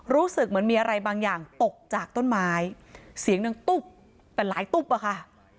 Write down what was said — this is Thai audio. รู้สึกเหมือนมีอะไรบางอย่างตกจากต้นไม้เสียงหนึ่งตุ๊บแต่หลายตุ๊บอะค่ะ